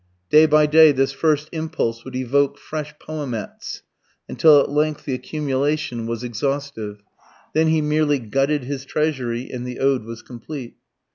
Day by day this first impulse would evoke fresh "poemets," until at length the accumulation was exhaustive. Then he merely gutted his treasury and the ode was complete.